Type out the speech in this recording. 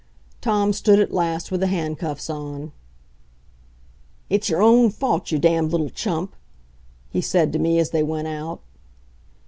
Tom stood at last with the handcuffs on. "It's your own fault, you damned little chump!" he said to me, as they went out.